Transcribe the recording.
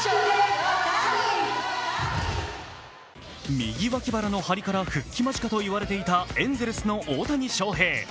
右脇腹の張りから復帰間近と言われていたエンゼルスの大谷翔平。